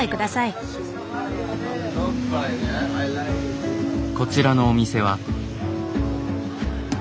こちらのお店は。